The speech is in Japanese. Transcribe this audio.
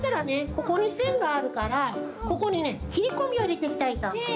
ここにせんがあるからここにねきりこみをいれていきたいとおもいます。